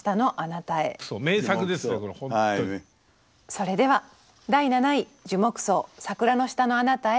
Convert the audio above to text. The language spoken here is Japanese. それでは第７位「樹木葬桜の下のあなたへ」